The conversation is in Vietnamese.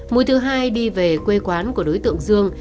mũi thứ hai đi về quê quán của đối tượng dương